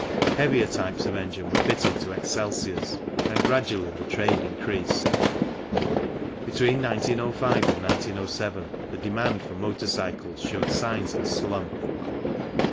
Heavier types of engine were fitted to Excelsiors, and gradually the trade increased. Between 1905 and 1907 the demand for motor cycles showed signs of a slump; FIG.